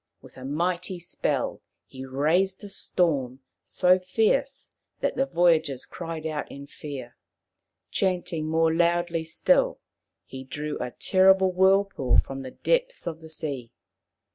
With a mighty spell he raised a storm so fierce that the voyagers cried out in fear. Chanting more loudly still, he drew a terrible whirlpool from the depths of the sea.